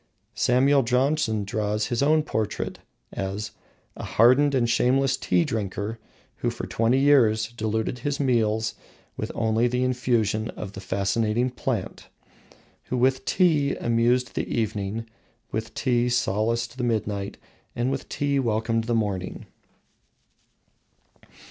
Samuel Johnson draws his own portrait as "a hardened and shameless tea drinker, who for twenty years diluted his meals with only the infusion of the fascinating plant; who with tea amused the evening, with tea solaced the midnight, and with tea welcomed the morning."